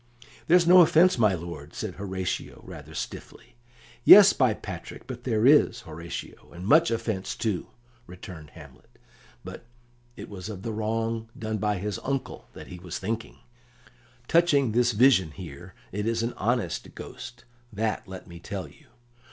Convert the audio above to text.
"There's no offence, my lord," said Horatio, rather stiffly. "Yes, by St. Patrick, but there is, Horatio, and much offence, too," returned Hamlet, but it was of the wrong done by his uncle he was thinking. "Touching this vision here, it is an honest ghost, that let me tell you.